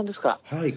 はい。